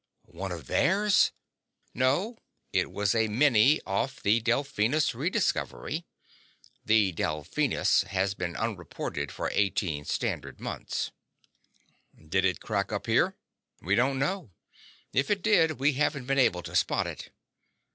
"One of theirs?" "No. It was a mini off the Delphinus Rediscovery. The Delphinus has been unreported for eighteen standard months!" "Did it crack up here?" "We don't know. If it did, we haven't been able to spot it.